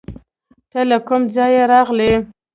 ته له کوم ځایه راغلې؟